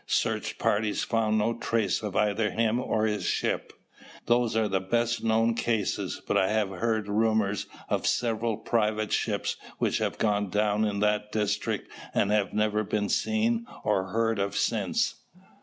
Search parties found no trace of either him or his ship. Those are the best known cases, but I have heard rumors of several private ships which have gone down in that district and have never been seen or heard of since."